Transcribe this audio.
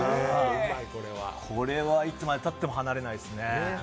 これはいつまでたっても離れないですね。